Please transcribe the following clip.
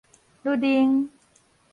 甪奶